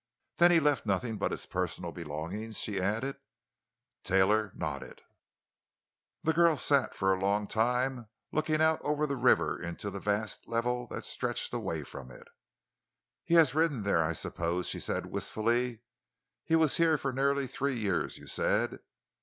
"Then he left nothing but his personal belongings?" she added. Taylor nodded. The girl sat for a long time, looking out over the river into the vast level that stretched away from it. "He has ridden there, I suppose," she said wistfully. "He was here for nearly three years, you said.